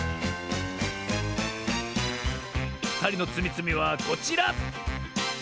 ふたりのつみつみはこちら！